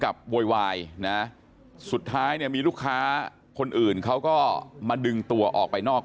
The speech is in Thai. โวยวายนะสุดท้ายเนี่ยมีลูกค้าคนอื่นเขาก็มาดึงตัวออกไปนอก